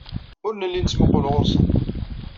Ur nelli nettmuqul ɣer-sen.